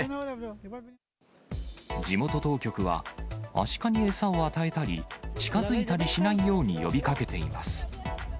地元当局は、アシカに餌を与えたり、近づいたりしないように呼びかけています。